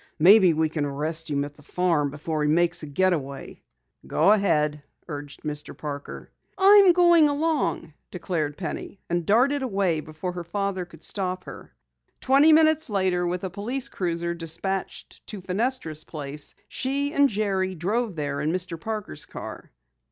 Maybe we can arrest him at the farm before he makes a get away." "Go ahead," urged Mr. Parker. "I'm going along," declared Penny, and darted away before her father could stop her. Twenty minutes later, with a police cruiser dispatched to Fenestra's place, she and Jerry drove there in Mr. Parker's car.